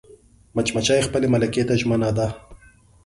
مچمچۍ خپل ملکې ته ژمنه ده